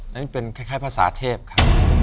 นี่เป็นคล้ายภาษาเทพค่ะ